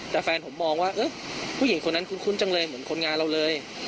แต่แฟนผมมองว่าผู้หญิงคนนั้นคุ้นจังเลยเหมือนคนงานเราเลย